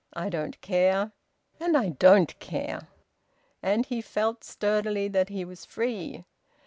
I don't care, and I don't care!" And he felt sturdily that he was free.